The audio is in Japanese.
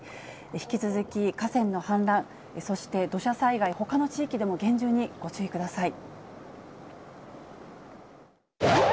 引き続き、河川の氾濫、そして土砂災害、ほかの地域でも厳重にご注意ください。